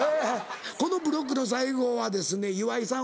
このブロックの最後は岩井さん